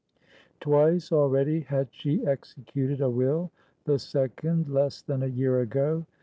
Twice already had she executed a will, the second less than a year ago.